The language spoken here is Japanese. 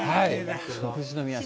富士宮市。